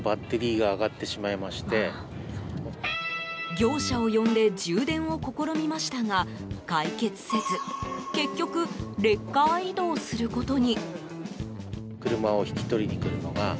業者を呼んで充電を試みましたが解決せず結局、レッカー移動することに。